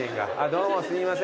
どうもすいません。